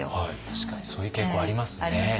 確かにそういう傾向ありますね。